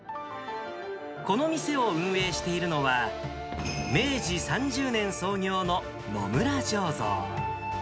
この店を運営しているのは、明治３０年創業の野村醸造。